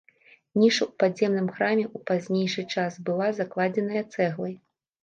Ніша ў падземным храме ў пазнейшы час была закладзеная цэглай.